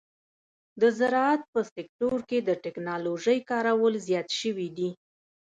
د زراعت په سکتور کې د ټکنالوژۍ کارول زیات شوي دي.